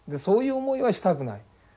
そういう思いはしたくない。